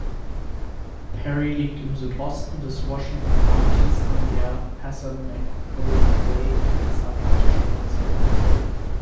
Perry liegt im Südosten des Washington Countys an der Passamaquoddy Bay des Atlantischen Ozeans.